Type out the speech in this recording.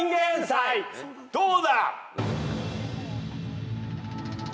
どうだ？